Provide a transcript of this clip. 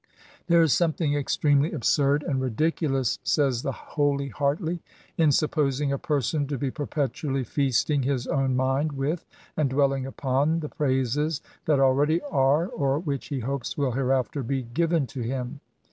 " There is something extremely absurd and ridiculous," says the holy Hartley, " in supposing a person to be perpetually feasting his own mind with, and dwelling upon, the praises that already are, or which he hopes will hereafter be, given to him.